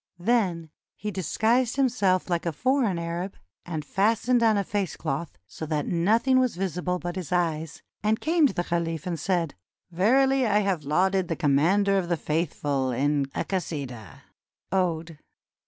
Then he dis guised himself Hke a foreign Arab, and fastened on a face cloth, so that nothing was visible but his eyes, and came to the caliph and said: "Verily I have lauded the Commander of the Faithful in a 'Kasidah'" (ode).